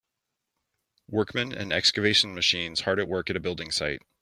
Workmen and excavation machines hard at work at a building site